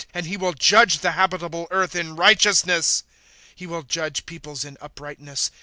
8 And he will judge the habitable earth in righteousness ; He will judge peoples in uprightness.